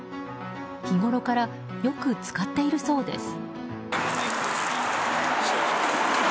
日ごろからよく使っているそうです。